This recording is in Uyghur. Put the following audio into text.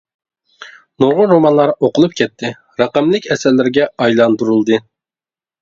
نۇرغۇن رومانلار ئوقۇلۇپ كەتتى، رەقەملىك ئەسەرلەرگە ئايلاندۇرۇلدى.